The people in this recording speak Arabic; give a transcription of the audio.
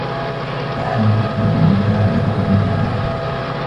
الحانوت يبيع الجرائد و المجلات.